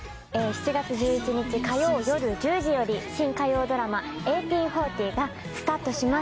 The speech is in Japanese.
７月１１日火曜よる１０時より新火曜ドラマ「１８／４０」がスタートします